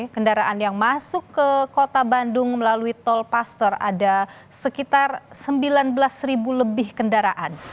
kendaraan yang masuk ke kota bandung melalui tol paster ada sekitar sembilan belas lebih kendaraan